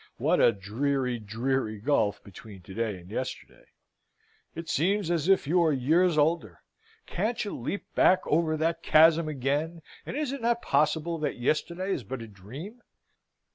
What a dreary, dreary gulf between to day and yesterday! It seems as if you are years older. Can't you leap back over that chasm again, and is it not possible that Yesterday is but a dream?